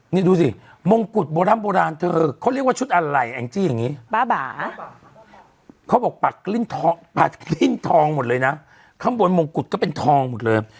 นี่ดูสิมงกุฎโบรันเถอ